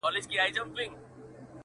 • ځيني يې هنر بولي لوړ,